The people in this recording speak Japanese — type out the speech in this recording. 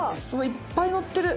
いっぱいのってる！